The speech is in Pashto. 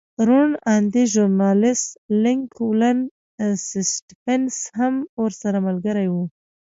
روڼ اندی ژورنالېست لینک ولن سټېفنس هم ورسره ملګری و.